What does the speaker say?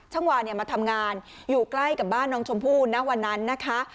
วาเนี่ยมาทำงานอยู่ใกล้กับบ้านน้องชมพู่ณวันนั้นนะคะ